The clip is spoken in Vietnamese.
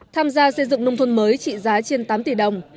tham gia xây dựng nông thôn mới trị giá trên tám tỷ đồng